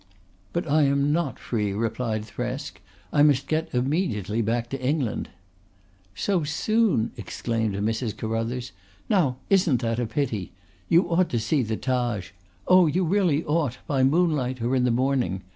"But I am not free," replied Thresk. "I must get immediately back to England." "So soon!" exclaimed Mrs. Carruthers. "Now isn't that a pity! You ought to see the Taj oh, you really ought! by moonlight or in the morning.